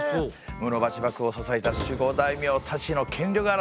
室町幕府を支えた守護大名たちの権力争い！